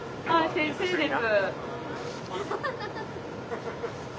先生です。